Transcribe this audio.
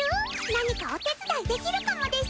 何かお手伝いできるかもです！